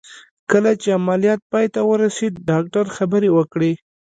کله چې عمليات پای ته ورسېد ډاکتر خبرې وکړې.